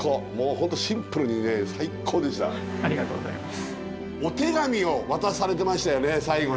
ありがとうございます。